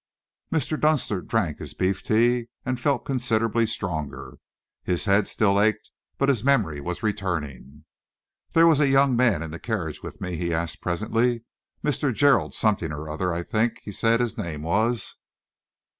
Mr. Dunster drank his beef tea and felt considerably stronger. His head still ached, but his memory was returning. "There was a young man in the carriage with me," he asked presently. "Mr. Gerald something or other I think he said his name was?"